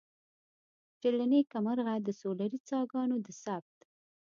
چې له نیکه مرغه د سولري څاګانو د ثبت.